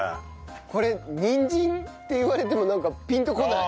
これにんじんって言われてもなんかピンとこない。